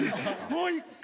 もう１回。